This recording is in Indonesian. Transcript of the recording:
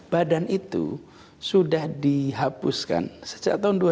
badan itu sudah dihapuskan sejak tahun dua ribu